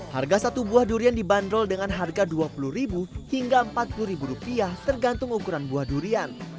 harga satu buah durian dibanderol dengan harga rp dua puluh hingga rp empat puluh tergantung ukuran buah durian